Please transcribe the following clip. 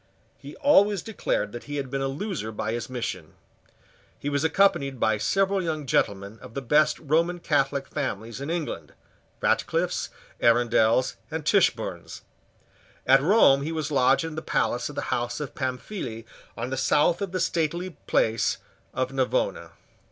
He always declared that he had been a loser by his mission. He was accompanied by several young gentlemen of the best Roman Catholic families in England, Ratcliffes, Arundells and Tichbornes. At Rome he was lodged in the palace of the house of Pamfili on the south of the stately Place of Navona.